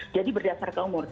jadi berdasarkan umur